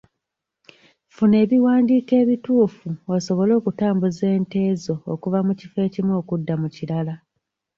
Funa ebiwandiiko ebituufu osobole okutambuza ente zo okuva mu kifo ekimu okudda mu kirala.